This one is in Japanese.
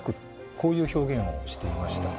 こういう表現をしていました。